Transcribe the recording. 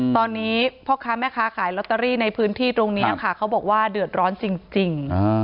ตอนนี้พ่อค้าแม่ค้าขายลอตเตอรี่ในพื้นที่ตรงนี้ค่ะเขาบอกว่าเดือดร้อนจริง